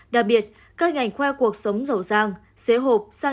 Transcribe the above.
đặc biệt các ngành khoe cuộc sống giàu giang xế hộp sang trảnh của nam thanh niên này